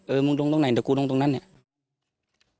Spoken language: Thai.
เออมึงลงตรงไหนแต่กูลมตรงนั่นนี่